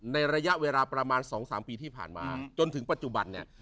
ระยะเวลาประมาณ๒๓ปีที่ผ่านมาจนถึงปัจจุบันเนี่ย